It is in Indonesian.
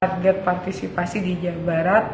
target partisipasi di jawa barat